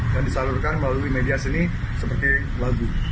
yang disalurkan melalui media seni seperti lagu